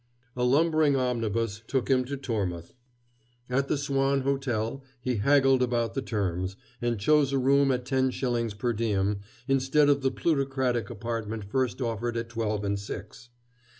A lumbering omnibus took him to Tormouth. At the Swan Hotel he haggled about the terms, and chose a room at ten shillings per diem instead of the plutocratic apartment first offered at twelve and six.